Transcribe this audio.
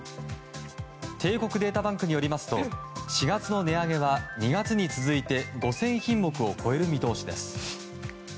帝国データバンクによりますと４月の値上げは２月に続いて５０００品目を超える見通しです。